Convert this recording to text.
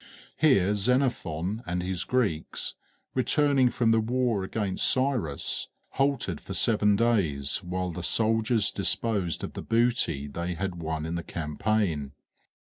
Here Xenophon and his Greeks, returning from the war against Cyrus, halted for seven days while the soldiers disposed of the booty they had won in the campaign.